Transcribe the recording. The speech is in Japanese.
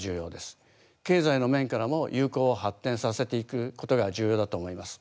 経済の面からも友好を発展させていくことが重要だと思います。